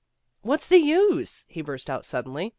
"What's the use?" he burst out suddenly.